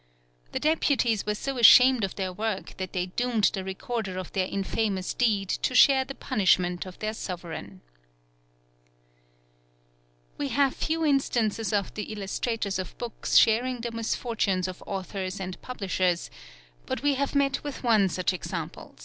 The deputies were so ashamed of their work that they doomed the recorder of their infamous deed to share the punishment of their sovereign. We have few instances of the illustrators of books sharing the misfortunes of authors and publishers, but we have met with one such example.